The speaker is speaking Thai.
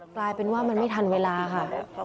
กลายเป็นว่ามันไม่ทันเวลาค่ะ